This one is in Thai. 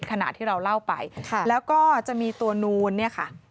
ขณะที่เราเล่าไปแล้วก็จะมีตัวนูนเนี่ยค่ะ